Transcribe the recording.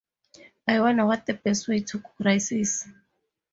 I wonder what the best way to cook rice is.